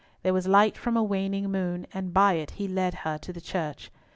There was light from a waning moon, and by it he led her to the church.